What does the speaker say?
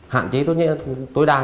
hạn chế tối đa